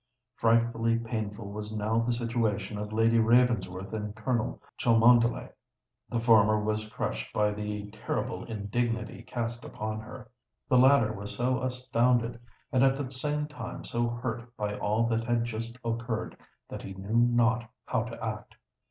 Frightfully painful was now the situation of Lady Ravensworth and Colonel Cholmondeley. The former was crushed by the terrible indignity cast upon her: the latter was so astounded and at the same time so hurt by all that had just occurred, that he knew not how to act.